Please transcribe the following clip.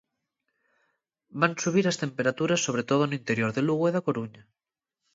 Van subiras temperaturas sobre todo no interior de Lugo e da Coruña.